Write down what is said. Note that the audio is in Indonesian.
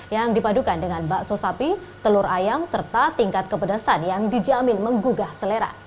yang dipadukan dengan bakso sapi telur ayam serta tingkat kepedasan yang dijamin menggugah selera